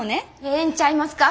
ええんちゃいますか？